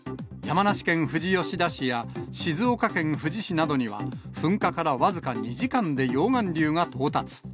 山梨県富士吉田市や静岡県富士市などには、噴火から僅か２時間で溶岩流が到達。